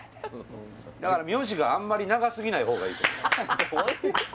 だから名字があんまり長すぎない方がいいですよね